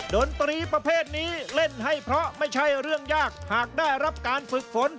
ดนตรีประเภทนี้เล่นให้เพราะไม่ใช่เรื่องยากหากได้รับการฝึกฝน